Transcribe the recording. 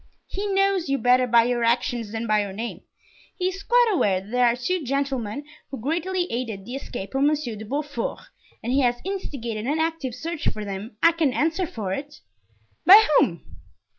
"He knows you better by your actions than your name; he is quite aware that there are two gentlemen who greatly aided the escape of Monsieur de Beaufort, and he has instigated an active search for them, I can answer for it." "By whom?"